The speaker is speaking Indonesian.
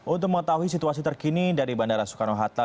untuk mengetahui situasi terkini dari bandara soekarno hatta